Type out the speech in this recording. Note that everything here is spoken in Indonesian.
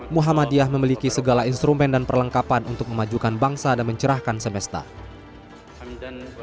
muhammadiyah memiliki segala instrumen dan perlengkapan untuk memajukan bangsa dan mencerahkan semesta